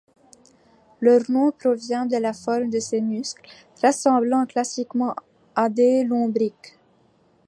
Leur nom provient de la forme de ces muscles, ressemblant classiquement à des lombrics.